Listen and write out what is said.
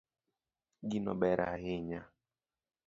Gino ber ahinya